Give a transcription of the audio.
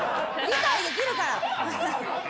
理解できるから。